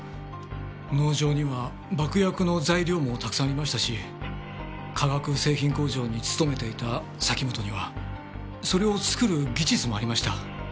農場には爆薬の材料もたくさんありましたし化学製品工場に勤めていた崎本にはそれを作る技術もありました。